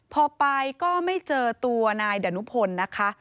พอไปก็ไม่เจอตัวนายดานุพลนะคะ